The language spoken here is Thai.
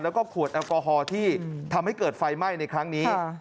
แล้วก็ขวดแอลกอฮอล์ที่ทำให้เกิดไฟไหม้ในครั้งนี้